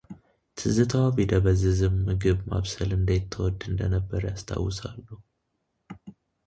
ትዝታዋ ቢደበዝዝም ምግብ ማብሰል እንዴት ትወድ እንደነበር ያስታውሳሉ።